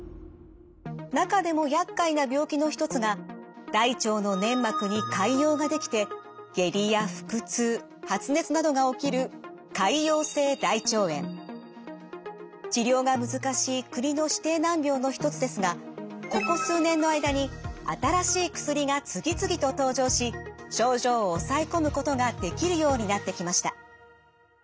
中でもやっかいな病気の一つが大腸の粘膜に潰瘍ができて下痢や腹痛発熱などが起きる治療が難しい国の指定難病の一つですがここ数年の間に新しい薬が次々と登場し症状を抑え込むことができるようになってきました。